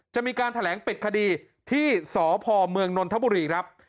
จะมีการแถลงปิดคดีที่สพเมืองนนทบุรีครับ